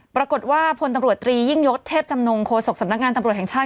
ปรากฏว่าพลตำรวจตรียิ่งยศเทพจำนงโฆษกสำนักงานตำรวจแห่งชาติ